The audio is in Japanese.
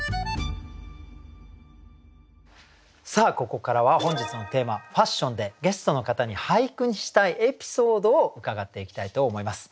ここからは本日のテーマ「ファッション」でゲストの方に俳句にしたいエピソードを伺っていきたいと思います。